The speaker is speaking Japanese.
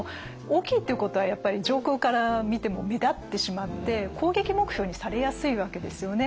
大きいっていうことはやっぱり上空から見ても目立ってしまって攻撃目標にされやすいわけですよね。